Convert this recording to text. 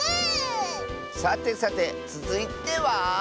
さてさてつづいては。